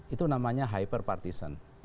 itu namanya hyper partisan